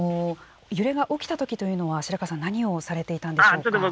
揺れが起きたときというのは、白川さん、何をされていたんでしょ